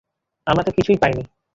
আমারা তো কিছুই পাইনি।